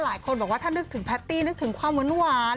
หลายคนบอกว่าถ้านึกถึงแพตตี้นึกถึงความหวาน